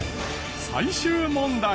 最終問題。